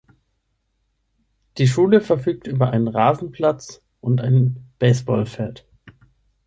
Die Schule verfügt über einen Rasenplatz und ein Baseballfeld.